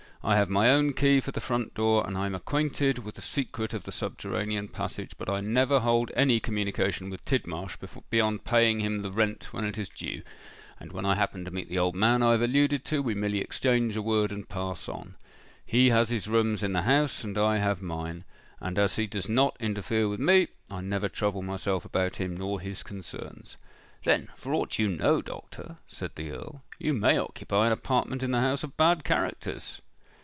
I have my own key for the front door, and I am acquainted with the secret of the subterranean passage; but I never hold any communication with Tidmarsh, beyond paying him the rent when it is due;—and when I happen to meet the old man I have alluded to, we merely exchange a word and pass on. He has his rooms in the house, and I have mine; and as he does not interfere with me, I never trouble myself about him nor his concerns." "Then, for aught you know, doctor," said the Earl, "you may occupy an apartment in the house of bad characters?"